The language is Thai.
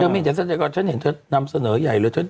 ไม่เห็นฉันฉันเห็นต้องนำเสนอใหญ่เลย